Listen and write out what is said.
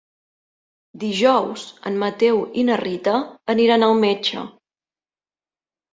Dijous en Mateu i na Rita aniran al metge.